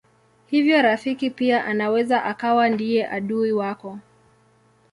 Hivyo rafiki pia anaweza akawa ndiye adui wako.